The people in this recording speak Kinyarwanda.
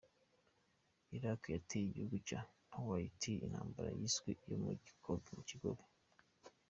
Iraq yateye igihugu cya Kuwait, intambara yiswe iyo mu kigobe.